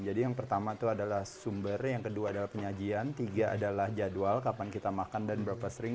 jadi yang pertama itu adalah sumber yang kedua adalah penyajian tiga adalah jadwal kapan kita makan dan berapa sering